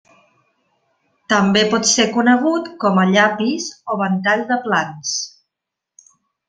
També pot ser conegut com a llapis o ventall de plans.